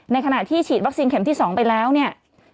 ในขณะที่ฉีดวัคซีนเข็มที่๒ไปแล้วเนี่ย